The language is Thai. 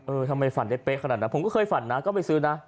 ว่าทำไมฝันผิดแบบนี้ผมก็เคยฝันนะก็ไปซื้อนะ